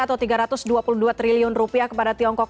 atau tiga ratus dua puluh dua triliun rupiah kepada tiongkok